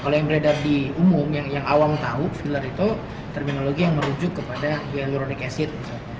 kalau yang beredar di umum yang awam tahu filler itu terminologi yang merujuk kepada valunicasid